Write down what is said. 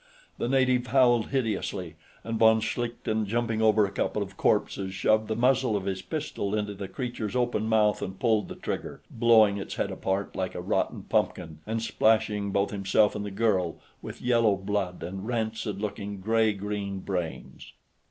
The native howled hideously, and von Schlichten, jumping over a couple of corpses, shoved the muzzle of his pistol into the creature's open mouth and pulled the trigger, blowing its head apart like a rotten pumpkin and splashing both himself and the girl with yellow blood and rancid looking gray green brains.